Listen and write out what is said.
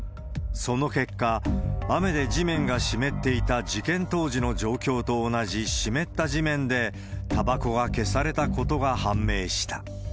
その結果、雨で地面が湿っていた事件当時の状況と同じ湿った地面でたばこが消されたことが判明した。